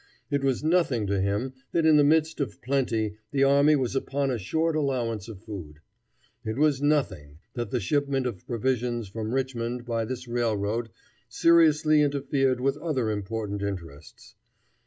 It was nothing to him that in the midst of plenty the army was upon a short allowance of food. It was nothing that the shipments of provisions from Richmond by this railroad seriously interfered with other important interests.